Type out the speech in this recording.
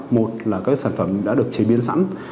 một là các sản phẩm đã được chế biến sẵn